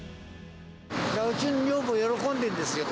うちの女房、喜んでるんですよ。